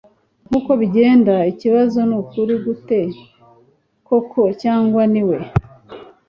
Nkuko bigenda ikibazo nukuri gute koko) - cyangwa niwe